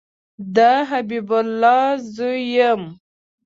د حبیب الله زوی یم